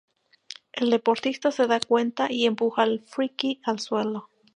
El deportista se da cuenta y empuja al friki al suelo.